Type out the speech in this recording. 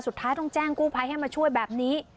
สุดท้ายต้องแจ้งกู้ภัยให้มาช่วยแบบนี้